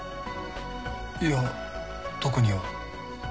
いや特には。